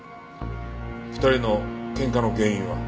２人の喧嘩の原因は？